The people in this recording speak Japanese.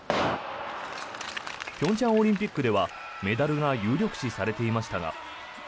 平昌オリンピックではメダルが有力視されていましたが。